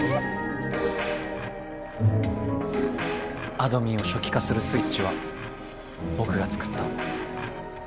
あどミンをしょきかするスイッチはぼくが作った。